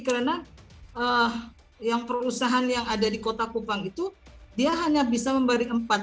karena yang perusahaan yang ada di kota kupang itu dia hanya bisa memberi empat